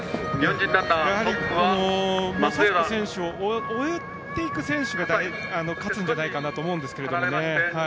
やはりモソップ選手を追えていく選手が勝つんじゃないかなと思うんですけどね。